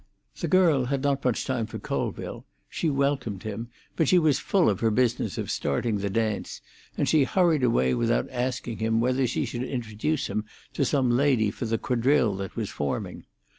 The girl had not much time for Colville; she welcomed him, but she was full of her business of starting the dance, and she hurried away without asking him whether she should introduce him to some lady for the quadrille that was forming.